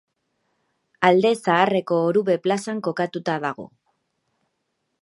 Alde Zaharreko Orube plazan kokatuta dago.